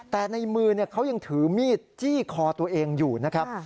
แต่ในมือเขายังถือมีดจี้คอตัวเองอยู่นะครับ